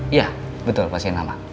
iya betul pasien lama